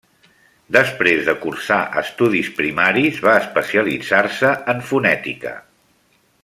Després de cursar estudis primaris, va especialitzar-se en fonètica.